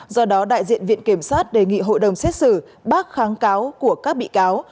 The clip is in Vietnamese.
do đó đại diện viện kiểm sát đề nghị hội đồng xét xử bác kháng cáo của các bị cáo